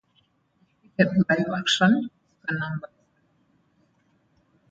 It featured live action, musical numbers, and videos.